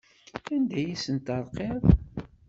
Anda ay asen-terqiḍ?